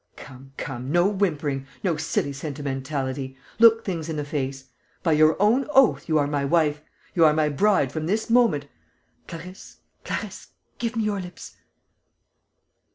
Come, come, no whimpering, no silly sentimentality.... Look things in the face. By your own oath, you are my wife, you are my bride from this moment.... Clarisse, Clarisse, give me your lips...."